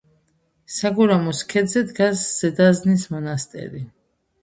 საგურამოს ქედზე დგას ზედაზნის მონასტერი.